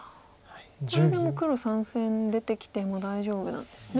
これでもう黒３線出てきても大丈夫なんですね。